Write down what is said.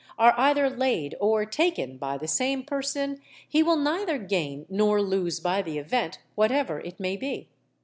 _, are either laid or taken by the same person, he will neither gain nor lose by the event, whatever it may be.